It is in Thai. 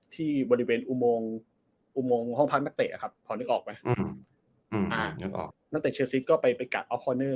ที่บริเวณอุโมงอุโมงห้องพักนักเตะอะครับพอนึกออกไหมนึกออกนักเตะเชลซีสก็ไปไปกัดออฟพอเนอร์